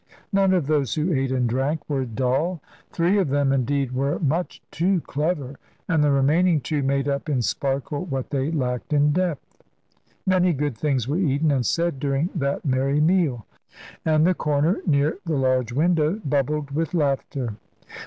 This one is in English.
None of those who ate and drank were dull; three of them, indeed, were much too clever, and the remaining two made up in sparkle what they lacked in depth. Many good things were eaten and said during that merry meal, and the corner near the large window bubbled with laughter.